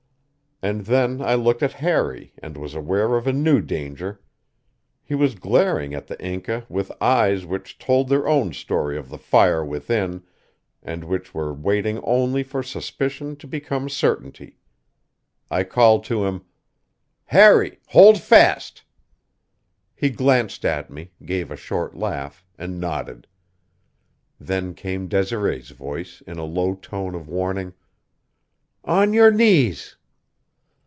And then I looked at Harry, and was aware of a new danger. He was glaring at the Inca with eyes which told their own story of the fire within, and which were waiting only for suspicion to become certainty. I called to him: "Harry! Hold fast!" He glanced at me, gave a short laugh, and nodded. Then came Desiree's voice, in a low tone of warning: "On your knees!"